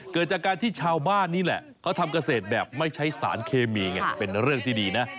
เกิดจากการที่ชาวบ้านนี่แหละเขาทำเกษตรแบบไม่ใช้สารเคมีไงเป็นเรื่องที่ดีนะ